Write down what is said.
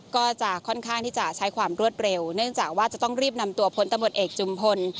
ก็จะค่อนข้างที่จะใช้ความรวดเร็วเนื่องจากว่าจะต้องรีบนำตัวพลตำรวจเอกจุมพล